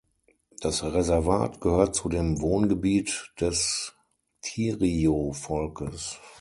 Das Reservat gehört zu dem Wohngebiet des Tiriyo-Volkes.